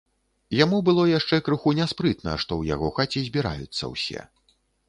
Яму было яшчэ крыху няспрытна, што ў яго хаце збіраюцца ўсе.